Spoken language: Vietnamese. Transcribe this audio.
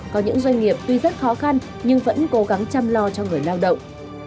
có những doanh nghiệp tuy rất khó khăn nhưng vẫn cố gắng chăm lo cho người lao động